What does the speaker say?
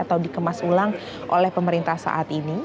atau dikemas ulang oleh pemerintah saat ini